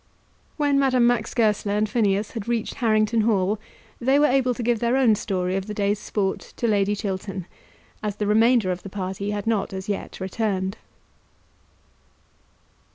When Madame Max Goesler and Phineas had reached Harrington Hall they were able to give their own story of the day's sport to Lady Chiltern, as the remainder of the party had not as yet returned.